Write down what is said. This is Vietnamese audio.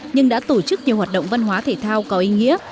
nhưng đã tổ chức nhiều hoạt động văn hóa thể thao có ý nghĩa